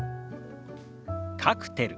「カクテル」。